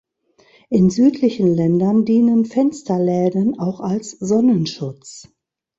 In südlichen Ländern dienen Fensterläden auch als Sonnenschutz.